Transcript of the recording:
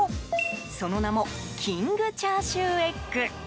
その名もキングチャーシューエッグ。